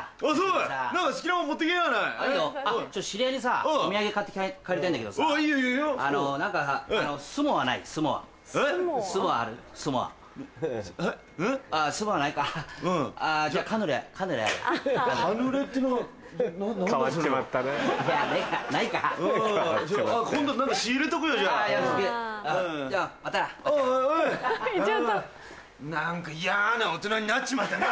うん何か嫌な大人になっちまったな。